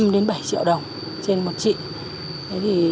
năm đến bảy triệu đồng trên một chị